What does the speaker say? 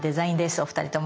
お二人とも。